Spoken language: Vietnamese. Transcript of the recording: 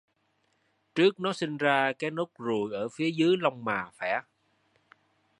trước nó sinh ra có cái nốt ruồi ở phía dưới lông mày phải